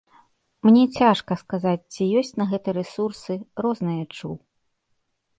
Мне цяжка сказаць, ці ёсць на гэта рэсурсы, рознае чуў.